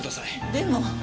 でも。